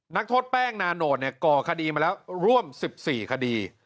นักโทษแป้งนาโนตก่อคดีมาแล้วร่วม๑๔คดี